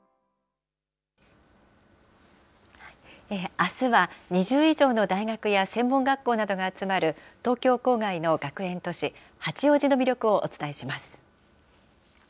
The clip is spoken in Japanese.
あすは、２０以上の大学や専門学校などが集まる、東京郊外の学園都市、八王子の魅力をお伝えします。